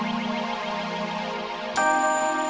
mi children berklatif lagi karyak